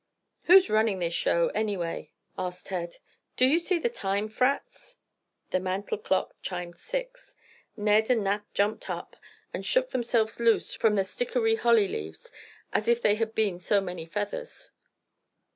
"Who's running this show, any way?" asked Ted. "Do you see the time, Frats?" The mantle clock chimed six. Ned and Nat jumped up, and shook themselves loose from the stickery holly leaves as if they had been so many feathers.